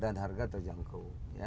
dan harga terjangkau